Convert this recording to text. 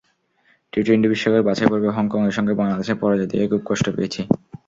T twenty বিশ্বকাপের বাছাই পর্বে হংকংয়ের সঙ্গে বাংলাদেশের পরাজয় দেখে খুব কষ্ট পেয়েছি।